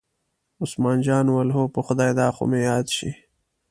عثمان جان وویل: هو په خدای دا خو مې یاد شي.